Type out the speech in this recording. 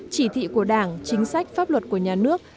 chỉ thị của đảng chính sách pháp luật của nhà nước